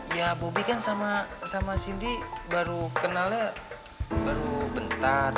ya bobi kan sama cindy baru kenalnya baru bentar